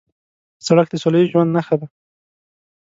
سړک د سولهییز ژوند نښه ده.